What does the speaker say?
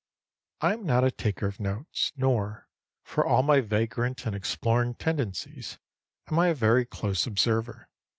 I am not a taker of notes, nor, for all my vagrant and exploring tendencies, am I a very close observer.